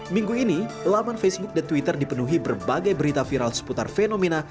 minggu ini laman facebook dan twitter dipenuhi berbagai berita viral seputar fenomena